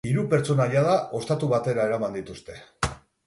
Hiru pertsona jada ostatu batera eraman dituzte.